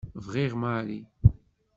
Bɣiɣ Mary.